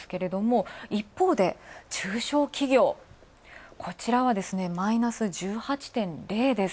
一方で中小企業、こちらは、マイナス１８．０です。